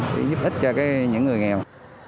để giúp ích cho những người nghèo